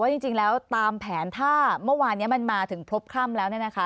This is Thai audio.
จริงแล้วตามแผนถ้าเมื่อวานนี้มันมาถึงพบคล่ำแล้ว